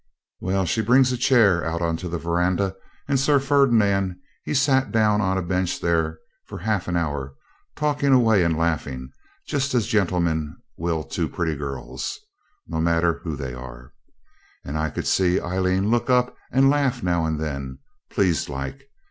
Well, she brings a chair out on the verandah, and Sir Ferdinand he sat down on a bench there for half an hour, talking away and laughing, just as gentlemen will to pretty girls, no matter who they are. And I could see Aileen look up and laugh now and then, pleased like.